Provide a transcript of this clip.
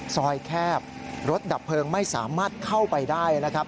แคบรถดับเพลิงไม่สามารถเข้าไปได้นะครับ